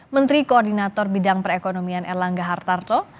menteri koordinator bidang perekonomian erlangga hartarto